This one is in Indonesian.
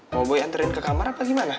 mau boy anterin ke kamar apa gimana